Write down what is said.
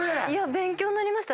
勉強になりました。